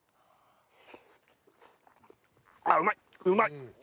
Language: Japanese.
あっうまいうまい！